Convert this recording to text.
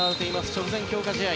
直前強化試合